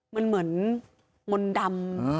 มันเหมือนมนต์ดำ